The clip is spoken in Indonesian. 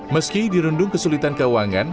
meski dirundung kesulitan keuangan